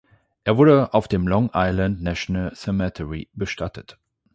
Er wurde auf dem Long Island National Cemetery bestattet.